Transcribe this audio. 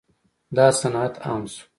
دا صنعت عام شو.